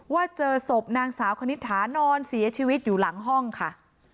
ว่าเจอศพนางสาวคณิตถานอนเสียชีวิตอยู่หลังห้องค่ะ